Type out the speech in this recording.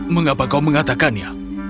mengapa kau mengatakannya